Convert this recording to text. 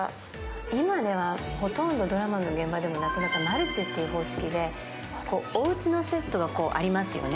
今ではほとんどドラマの現場ではマルチっていう方式で、おうちのセットがありますよね。